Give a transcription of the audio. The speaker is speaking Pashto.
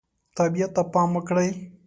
طبیعت ته پام وکړئ.